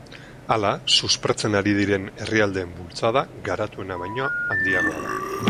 Hala, suspertzen ari diren herrialdeen bultzada garatuena baino handiagoa da.